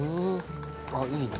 あっいいね。